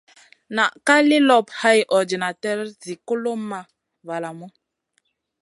Nan ka li lop hay ordinater zi kulomʼma valamu.